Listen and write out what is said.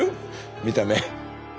見た目。